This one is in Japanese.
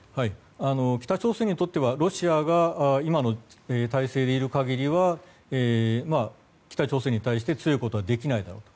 北朝鮮にとってはロシアが今の体制でいる限りは北朝鮮に対して強いことはできないだろう。